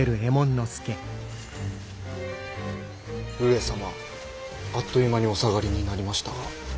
上様あっという間にお下がりになりましたが。